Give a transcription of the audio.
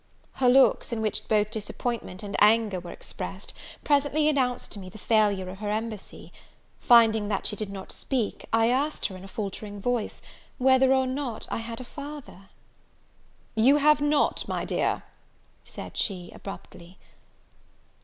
Her looks, in which both disappointment and anger were expressed, presently announced to me the failure of her embassy. Finding that she did not speak, I asked her, in a faltering voice, whether or not I had a father? "You have not, my dear!" said she abruptly.